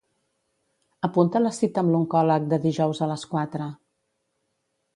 Apunta la cita amb l'oncòleg de dijous a les quatre.